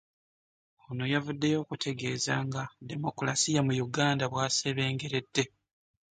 Ono yavuddeyo okutegeeza nga ddemokulaasiya mu Uganda bw'asebengeredde.